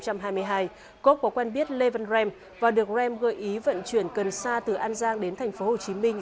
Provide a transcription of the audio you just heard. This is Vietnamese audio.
jacob có quen biết lê vân rem và được rem gợi ý vận chuyển cần sa từ an giang đến thành phố hồ chí minh